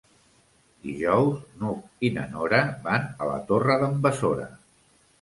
Dijous n'Hug i na Nora van a la Torre d'en Besora.